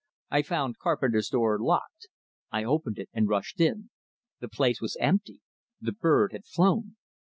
I found Carpenter's door locked; I opened it, and rushed in. The place was empty! The bird had flown!